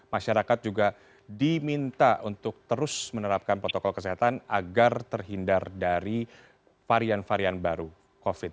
masyarakat juga diminta untuk terus menerapkan protokol kesehatan agar terhindar dari varian varian baru covid